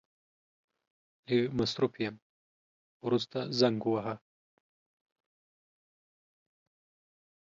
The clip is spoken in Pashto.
لږ مصرف يم ورسته زنګ وواهه.